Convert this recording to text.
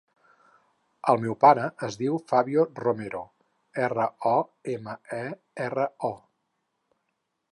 El meu pare es diu Fabio Romero: erra, o, ema, e, erra, o.